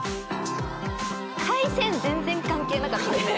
海鮮全然関係なかったですね。